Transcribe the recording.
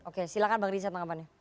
oke silakan bang rizet mengapainya